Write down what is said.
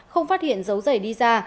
không phát hiện dấu dày đi ra